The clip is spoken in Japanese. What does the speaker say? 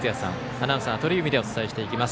アナウンサーは鳥海でお伝えしていきます。